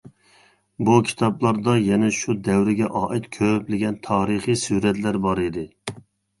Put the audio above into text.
بۇ كىتابلاردا يەنە شۇ دەۋرگە ئائىت كۆپلىگەن تارىخىي سۈرەتلەر بار ئىدى.